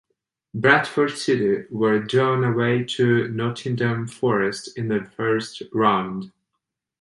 Bradford City were drawn away to Nottingham Forest in the first round.